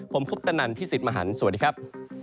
ผมพุทธนันที่ศิษย์มหันภ์สวัสดีครับ